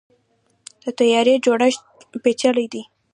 د طیارې جوړښت پیچلی دی.